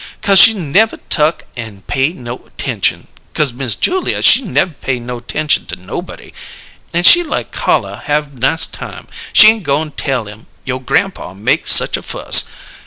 Co'se she nev' tuck an' pay no 'tention, 'cause Miss Julia, she nev' pay no 'tention to nobody; an' she like caller have nice time she ain' goin' tell 'em you' grampaw make such a fuss.